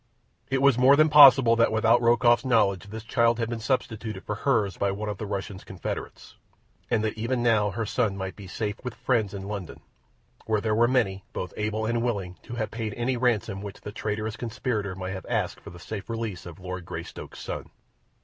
It was more than possible that without Rokoff's knowledge this child had been substituted for hers by one of the Russian's confederates, and that even now her son might be safe with friends in London, where there were many, both able and willing, to have paid any ransom which the traitorous conspirator might have asked for the safe release of Lord Greystoke's son.